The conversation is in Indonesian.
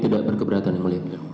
tidak berkeberatan yang boleh